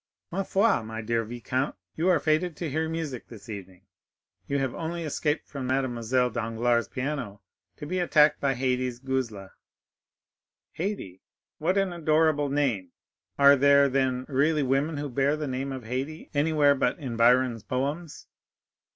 "Ma foi, my dear viscount, you are fated to hear music this evening; you have only escaped from Mademoiselle Danglars' piano, to be attacked by Haydée's guzla." "Haydée—what an adorable name! Are there, then, really women who bear the name of Haydée anywhere but in Byron's poems?"